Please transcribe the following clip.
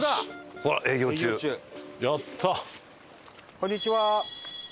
こんにちは。